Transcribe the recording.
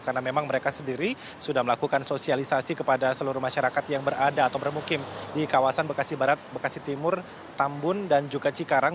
karena memang mereka sendiri sudah melakukan sosialisasi kepada seluruh masyarakat yang berada atau bermukim di kawasan bekasi barat bekasi timur tambun dan juga cikarang